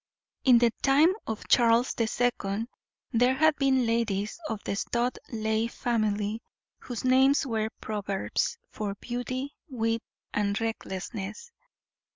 In the time of Charles the Second there had been ladies of the Studleigh family whose names were proverbs for beauty, wit, and recklessness.